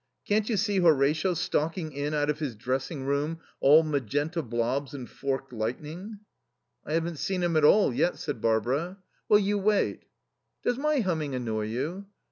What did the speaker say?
Can't you see Horatio stalking in out of his dressing room, all magenta blobs and forked lightning?" "I haven't seen him at all yet," said Barbara. "Well, you wait.... Does my humming annoy you?"